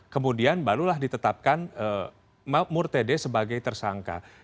kemudian barulah ditetapkan murtede sebagai tersangka